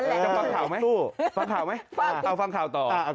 จะฟังข่าวไหมสู้ฟังข่าวไหมเอาฟังข่าวต่อ